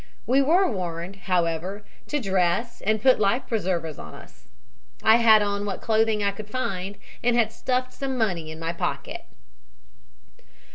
We were warned, however, to dress and put life preservers on us. I had on what clothing I could find and had stuffed some money in my pocket.